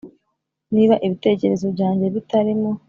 niba ibitekerezo byanjye bitarimo